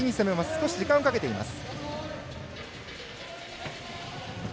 少し時間をかけています。